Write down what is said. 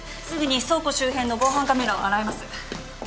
すぐに倉庫周辺の防犯カメラを洗います。